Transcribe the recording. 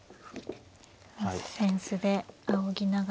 扇子であおぎながら。